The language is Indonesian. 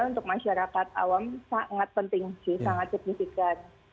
untuk masyarakat awam sangat penting sih sangat signifikan